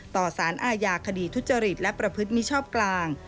สารอาญาคดีทุจริตและประพฤติมิชอบกลาง